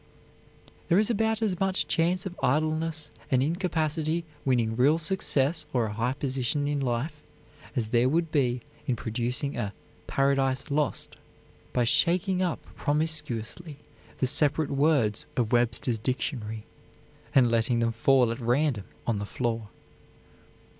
There is about as much chance of idleness and incapacity winning real success or a high position in life, as there would be in producing a "Paradise Lost" by shaking up promiscuously the separate words of Webster's Dictionary, and letting them fall at random on the floor.